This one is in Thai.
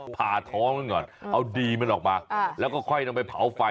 ผ่าท้องมันก่อนเอาดีมันออกมาแล้วก็ค่อยนำไปเผาไฟ